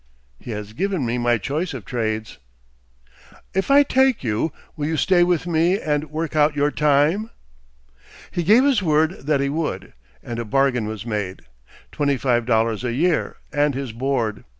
"He has given me my choice of trades." "If I take you, will you stay with me and work out your time?" He gave his word that he would, and a bargain was made twenty five dollars a year, and his board.